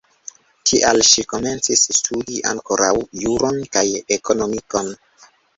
Tial ŝi komencis studi ankoraŭ juron kaj ekonomikon.